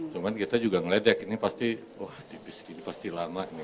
cuman kita juga meledek ini pasti wah tipis gini pasti lama ini